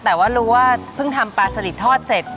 แต่ว่ารู้ว่าเพิ่งทำปลาสลิดทอดเสร็จ